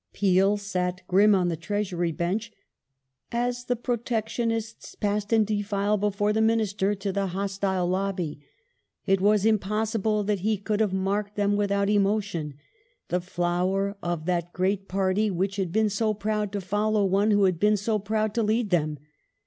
Peel sat grim on the Treasury bench *' as the Protectionists passed in defile before the Minister to the hostile lobby. It was impossible that he could have marked them without emotion : the flower of that great party which had been so proud to follow one who had been so proud to lead them.